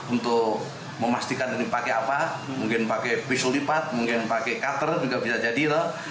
untuk memastikan ini pakai apa mungkin pakai pisul lipat mungkin pakai cutter juga bisa jadi lho